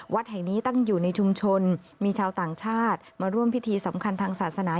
วัดแห่งนี้ตั้งอยู่ในชุมชนมีชาวต่างชาติมาร่วมพิธีสำคัญทางศาสนา